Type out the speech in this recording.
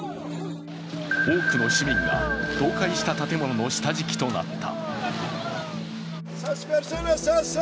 多くの市民が倒壊した建物の下敷きとなった。